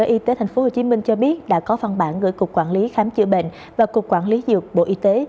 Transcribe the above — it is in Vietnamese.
y tế tp hcm cho biết đã có văn bản gửi cục quản lý khám chữa bệnh và cục quản lý dược bộ y tế